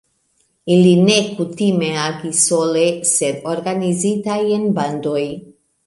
Ili ne kutime agis sole, sed organizitaj en bandoj.